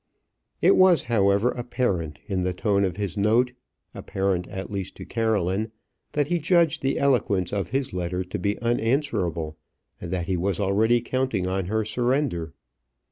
It was, however, apparent in the tone of his note, apparent at least to Caroline, that he judged the eloquence of his letter to be unanswerable, and that he was already counting on her surrender.